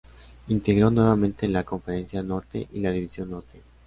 Integró nuevamente la conferencia norte y la división norte.